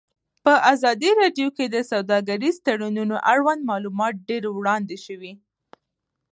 په ازادي راډیو کې د سوداګریز تړونونه اړوند معلومات ډېر وړاندې شوي.